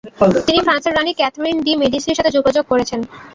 তিনি ফ্রান্সের রানী ক্যাথরিন ডি 'মেডিসির সাথে যোগাযোগ করেছেন।